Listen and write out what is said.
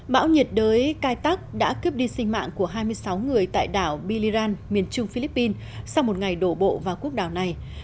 bão nhiệt đới cai tắc đã cướp đi sinh mạng của hai mươi sáu người tại đảo biliran miền trung philippines sau một ngày đổ bộ vào quốc đảo này